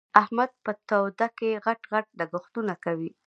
احمد په توده کې؛ غټ غټ لګښتونه کوي.